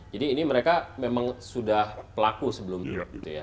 jadi ini mereka memang sudah pelaku sebelum itu gitu ya